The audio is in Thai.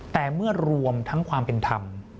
แต่เมื่อรวมทั้งความเป็นธรรม